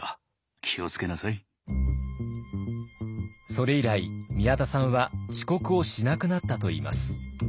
それ以来宮田さんは遅刻をしなくなったといいます。